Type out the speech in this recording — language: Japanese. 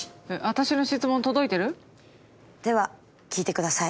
私の質問届いてる？では聴いてください。